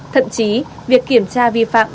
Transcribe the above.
thậm chí việc kiểm tra vi phạm